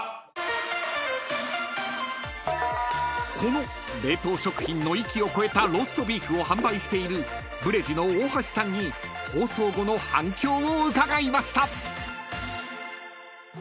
［この冷凍食品の域を超えたローストビーフを販売しているブレジュの大橋さんに放送後の反響を伺いました］